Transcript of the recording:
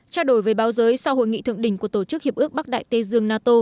trao đổi về báo giới sau hội nghị thượng đỉnh của tổ chức hiệp ước bắc đại tây dương nato